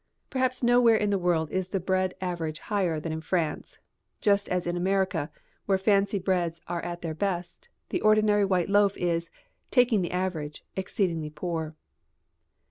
Perhaps nowhere in the world is the bread average higher than in France just as in America, where fancy breads are at their best, the ordinary wheat loaf is, taking the average, exceedingly poor.